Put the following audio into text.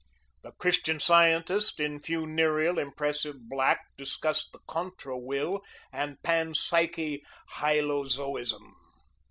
The Christian Scientist, in funereal, impressive black, discussed the contra will and pan psychic hylozoism.